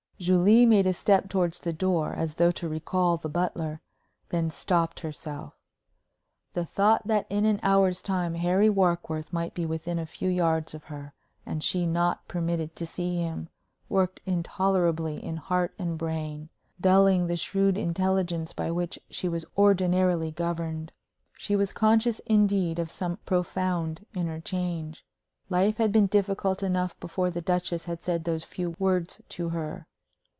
Julie made a step towards the door as though to recall the butler, then stopped herself. The thought that in an hour's time Harry Warkworth might be within a few yards of her, and she not permitted to see him, worked intolerably in heart and brain, dulling the shrewd intelligence by which she was ordinarily governed. She was conscious, indeed, of some profound inner change. Life had been difficult enough before the Duchess had said those few words to her.